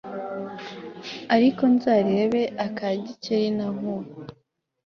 ariko nzarebe aka Gikeli na Nkuba